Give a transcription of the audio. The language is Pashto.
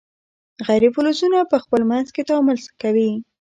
غیر فلزونه په خپل منځ کې تعامل کوي.